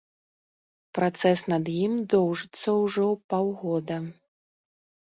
Працэс над ім доўжыцца ўжо паўгода.